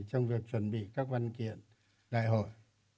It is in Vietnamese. trong việc chuẩn bị các văn kiện đại hội